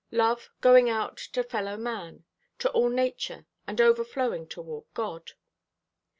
Love, going out to fellow man, to all nature and overflowing toward God.